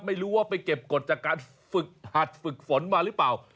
ไม่รู้ว่าไปเก็บกฎจากการฝึกหัดฝึกฝนมาหรือเปล่า